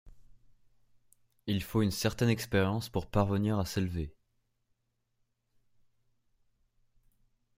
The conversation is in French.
Il faut une certaine expérience pour parvenir à s’élever.